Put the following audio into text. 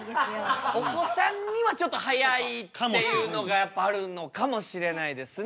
お子さんにはちょっと速いっていうのがやっぱりあるのかもしれないですね。